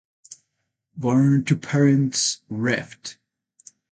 Born to parents Revd.